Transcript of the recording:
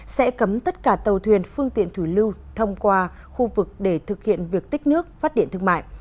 sẽ cấm tất cả tàu thuyền phương tiện thủy lưu thông qua khu vực để thực hiện việc tích nước phát điện thương mại